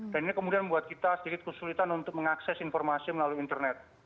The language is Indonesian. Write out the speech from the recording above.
dan ini kemudian membuat kita sedikit kesulitan untuk mengakses informasi melalui internet